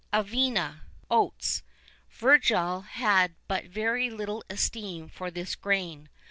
[II 12] Avena, oats.[II 13] Virgil had but very little esteem for this grain.